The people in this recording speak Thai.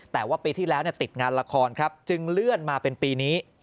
แต่ว่าปีที่แล้วติดงานละครครับจึงเลื่อนมาเป็นปีนี้